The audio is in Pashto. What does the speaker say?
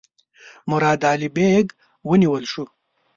مراد علي بیګ ونیول شو.